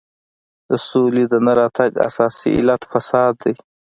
د سولې د نه راتګ اساسي علت فساد دی.